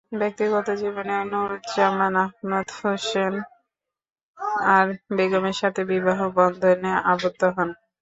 ব্যক্তিগত জীবনে নুরুজ্জামান আহমেদ, হোসনে আরা বেগমের সাথে বিবাহ বন্ধনে আবদ্ধ হন।